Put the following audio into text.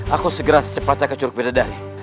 aku segera secepatnya ke curug pidadari